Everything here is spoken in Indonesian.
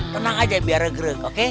tenang saja biar regrek oke